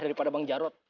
daripada bang jarod